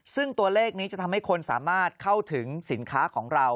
ซึ่งตัวเลขนี้จะทำให้คนสามารถเข้าถึงสินค้าของเรา